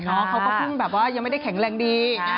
เขาก็เพิ่งแบบว่ายังไม่ได้แข็งแรงดี